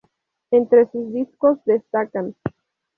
Entre sus discos destacan